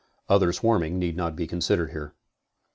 Other swarming need not be considered here.